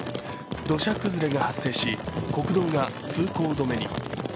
土砂崩れが発生し、国道が通行止めに。